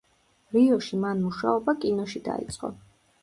რიოში მან მუშაობა კინოში დაიწყო.